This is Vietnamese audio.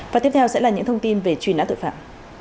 và tiếp theo sẽ là những thông tin về truy nã tội phạm